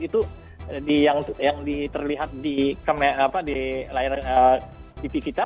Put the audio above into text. itu yang terlihat di layar tv kita